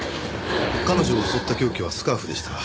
彼女を襲った凶器はスカーフでした。